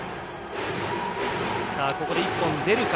ここで１本出るか。